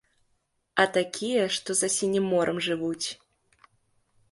А такія, што за сінім морам жывуць.